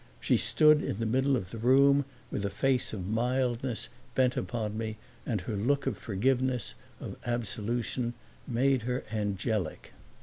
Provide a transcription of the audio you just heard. She stood in the middle of the room with a face of mildness bent upon me, and her look of forgiveness, of absolution, made her angelic.